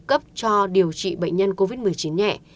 cấp cho điều trị bệnh nhân covid một mươi chín nhẹ